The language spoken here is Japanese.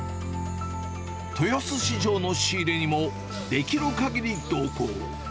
豊洲市場の仕入れにもできるかぎり同行。